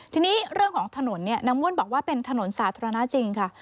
ทีนี้เรื่องของถนนเนี่ยนางม่วนบอกว่าเป็นถนนสาธารณะจริงค่ะ